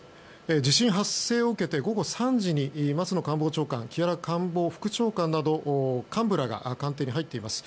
地震発生を受けて午後３時に松野官房長官木原官房副長官など幹部らが官邸に入っています。